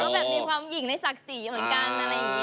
หนูก็มีความหญิงเกินในศักดิ์ศรีกัน